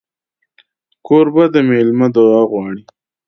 کوربه د مېلمه دعا غواړي.